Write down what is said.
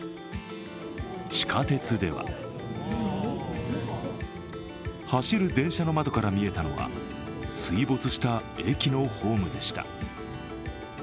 地下鉄では走る電車の窓から見えたのは水没した駅のホームでした。